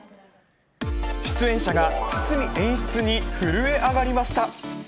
出演者が、堤演出に震えあがりました。